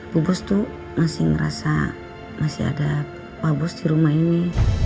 bu bos tuh masih ngerasa masih ada pabos di rumah ini